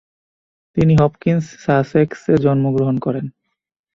তিনি হপকিন্স সাসেক্সে জন্মগ্রহণ করেন।